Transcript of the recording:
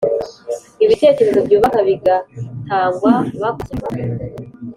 ibitekerezo byubaka bigatangwa, bakunguka amagambo mashya.